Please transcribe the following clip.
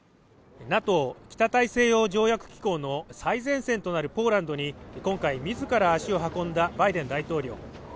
ＮＡＴＯ＝北大西洋条約機構の最前線となるポーランドに今回、自ら足を運んだバイデン大統領。